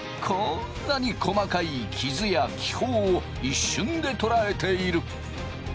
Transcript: こんなに細かい傷や気泡を一瞬で捉えている。